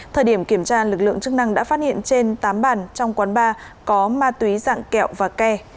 thời điểm kiểm tra lực lượng chức năng đã phát hiện trên tám bàn trong quán bar có ma túy dạng kẹo và ke